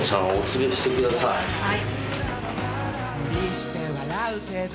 はい。